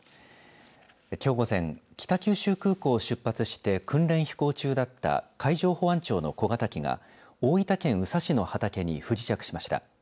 きょう午前北九州空港を出発して訓練飛行中だった海上保安庁の小型機が大分県宇佐市の畑に不時着しました。